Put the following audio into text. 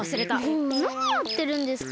もうなにやってるんですか！